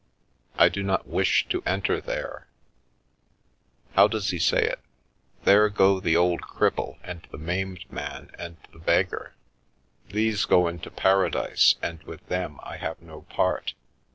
' I do not wish to enter there ' How does he say it ?' There go the old cripple and the maimed man and the beggar. ... These go into Paradise, and with them I have no part.